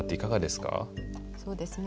そうですね。